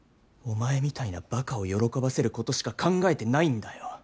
お前みたいなばかを喜ばせることしか考えてないんだよ。